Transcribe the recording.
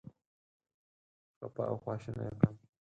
خپه او خواشینی یې کړم.